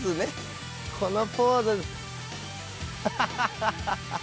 アハハハ。